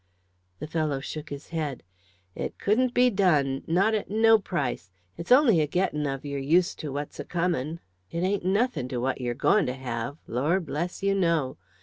The fellow shook his head. "It couldn't be done, not at no price. It's only a getting of yer used to what's a coming it ain't nothing to what yer going to have, lor' bless yer, no.